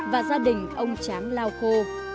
và gia đình ông tráng lao khô